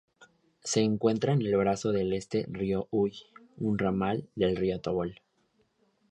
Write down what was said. Se encuentra en el brazo este del río Uy, un ramal del río Tobol.